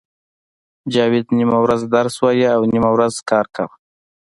جاوید نیمه ورځ درس وایه او نیمه ورځ کار کاوه